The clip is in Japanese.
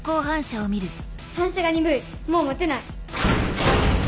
反射が鈍いもう待てない。